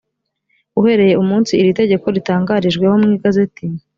uhereye umunsi iri tegeko ritangarijweho mu igazeti